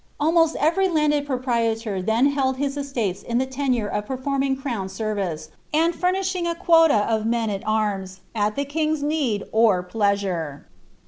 Almost every landed proprietor then held his eslaiea on the tenure of performing cra«D service, and famishing a quota of men at anns, at the king's De«d or pleasure.